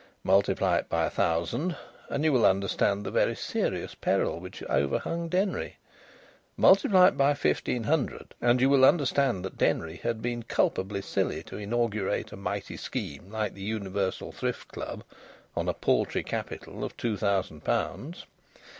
Multiply it by a thousand, and you will understand the very serious peril which overhung Denry. Multiply it by fifteen hundred and you will understand that Denry had been culpably silly to inaugurate a mighty scheme like the Universal Thrift Club on a paltry capital of two thousand pounds.